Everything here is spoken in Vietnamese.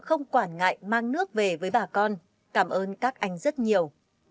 không quản ngại mang nước về với bà con cảm ơn các anh rất nhiều